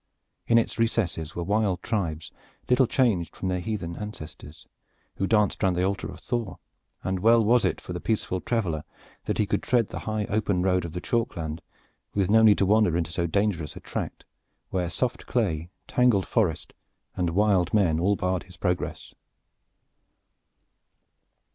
In its recesses were wild tribes, little changed from their heathen ancestors, who danced round the altar of Thor, and well was it for the peaceful traveler that he could tread the high open road of the chalk land with no need to wander into so dangerous a tract, where soft clay, tangled forest and wild men all barred his progress.